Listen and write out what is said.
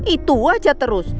itu aja terus